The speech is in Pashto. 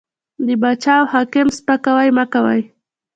د باچا او حاکم سپکاوی مه کوئ!